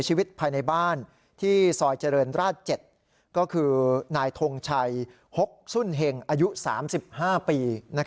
ชีวิตภายในบ้านที่ซอยเจริญราช๗ก็คือนายทงชัย๖สุ่นเห็งอายุ๓๕ปี